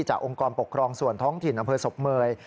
องค์กรปกครองส่วนท้องถิ่นอำเภอศพเมย